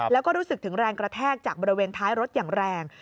แล้วก็รู้สึกถึงแรงกระแทกจากบริเวณท้ายรถอย่างแรง